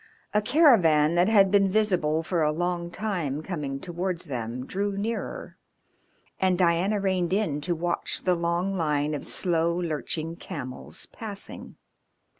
A caravan that had been visible for a long time coming towards them drew nearer, and Diana reined in to watch the long line of slow, lurching camels passing.